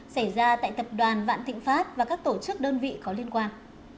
xảy ra tại tập đoàn vạn thịnh pháp và các tổ chức đơn vị có liên quan